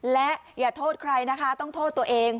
และอย่าโทษใครนะคะต้องโทษตัวเอง